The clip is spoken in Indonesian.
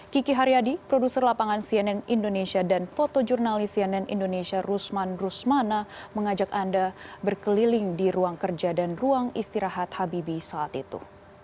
kiki haryadi produser lapangan cnn indonesia dan fotojurnalis cnn indonesia rusman rusmana mengajak anda berkeliling di ruang kerja dan ruang istirahat habibie saat itu